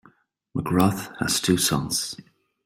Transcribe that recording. McGrath has two sons.